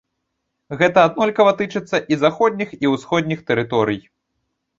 Гэта аднолькава тычыцца і заходніх, і ўсходніх тэрыторый.